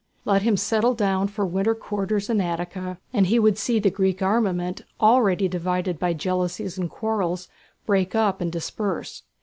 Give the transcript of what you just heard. Let him settle down for winter quarters in Attica and he would see the Greek armament, already divided by jealousies and quarrels, break up and disperse.